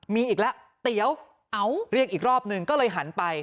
มีอีกแล้วเตี๋ยวเรียกอีกรอบหนึ่งก็เลยหันไป